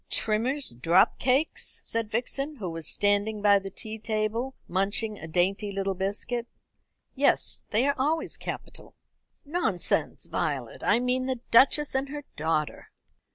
"Trimmer's drop cakes?" said Vixen, who was standing by the tea table munching a dainty little biscuit. "Yes, they are always capital." "Nonsense, Violet; I mean the Duchess and her daughter."